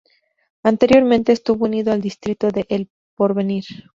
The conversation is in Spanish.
Anteriormente estuvo unido al distrito de El Porvenir.